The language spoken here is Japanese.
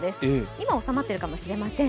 今おさまっているかもしれません。